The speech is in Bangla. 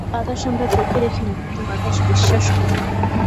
বাতাস আমরা চোখে দেখি না, কিন্তু বাতাস বিশ্বাস করি।